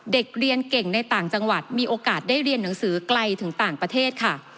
เด็กเรียนเก่งในต่างจังหวัดมีโอกาสได้เรียนหนังสือไกลถึงต่างประเทศค่ะ